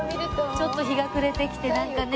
ちょっと日が暮れてきてなんかね。